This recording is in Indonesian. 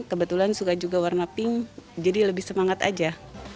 kebetulan suka juga warna pink jadi lebih semangat aja